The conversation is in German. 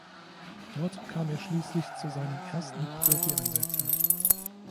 Dort kam er schließlich zu seinen ersten Profieinsätzen.